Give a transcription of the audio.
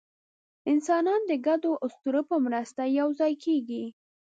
انسانان د ګډو اسطورو په مرسته یوځای کېږي.